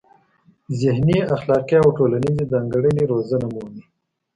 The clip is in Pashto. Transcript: ذهني، اخلاقي او ټولنیزې ځانګړنې روزنه مومي.